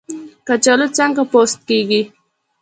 کچالو څنګه پوست کیږي؟